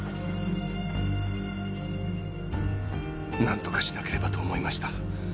なんとかしなければと思いました。